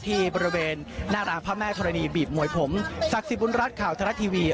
ที่บริเวณหน้าร้านพระแม่ธรณีบีบมวยผมศักดิ์สิทธิบุญรัฐข่าวทรัฐทีวี